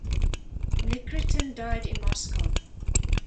Nikritin died in Moscow.